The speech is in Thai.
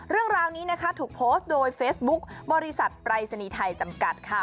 เรื่องราวนี้นะคะถูกโพสต์โดยเฟซบุ๊คบริษัทปรายศนีย์ไทยจำกัดค่ะ